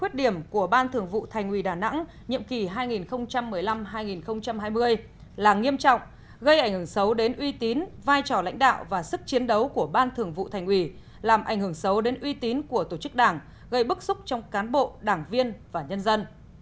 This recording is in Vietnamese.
khuyết điểm của ban thường vụ thành ủy đà nẵng nhiệm kỳ hai nghìn một mươi năm hai nghìn hai mươi là nghiêm trọng gây ảnh hưởng xấu đến uy tín vai trò lãnh đạo và sức chiến đấu của ban thường vụ thành ủy làm ảnh hưởng xấu đến uy tín của tổ chức đảng gây bức xúc trong cán bộ đảng viên và nhân dân